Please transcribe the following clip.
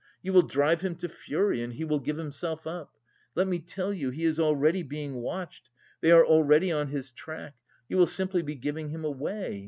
You will drive him to fury, and he will give himself up. Let me tell you, he is already being watched; they are already on his track. You will simply be giving him away.